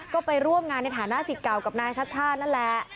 ก็ไปร่วมงานในฐานะสิทธิ์เก่ากับนายชัดชาตินั่นแหละ